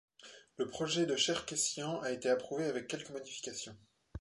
Le projet de Cherkessian a été approuvé avec quelques modifications.